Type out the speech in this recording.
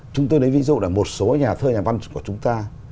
chúng tôi lấy ví dụ là một số nhà thơ nhà văn của chúng ta